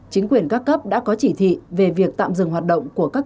chính quyền các cấp đã có chỉ thị về việc tạm dừng hoạt động